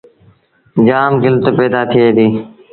جآم ڪيٚلت پيدآ ٿئي ديٚ۔